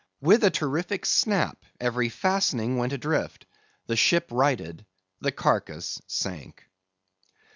With a terrific snap, every fastening went adrift; the ship righted, the carcase sank.